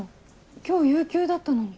今日有休だったのに。